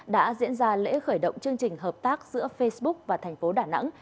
đã diễn ra lễ khởi động chương trình hợp tác giữa facebook và thành phố đà nẵng